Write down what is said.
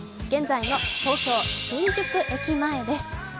現在の東京・新宿駅前です。